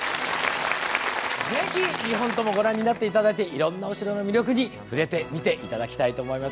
是非２本ともご覧になって頂いていろんなお城の魅力に触れてみて頂きたいと思います。